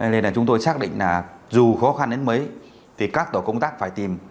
nên là chúng tôi xác định là dù khó khăn đến mấy thì các tổ công tác phải tìm